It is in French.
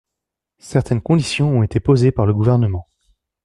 Certaines conditions ont été posées par le Gouvernement.